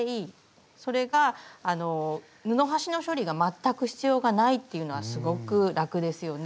それが布端の処理が全く必要がないっていうのはすごく楽ですよね。